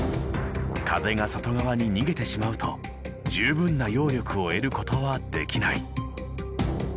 風が外側に逃げてしまうと十分な揚力を得ることはできない。